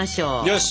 よし！